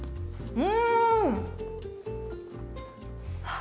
うん！